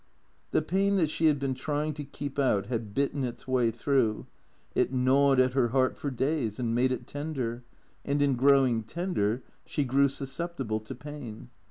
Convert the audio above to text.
The pain that she had been trying to keep out had bitten its way through, it gnawed at her heart for days and made it tender, and in growing tender she grew susceptible to pain.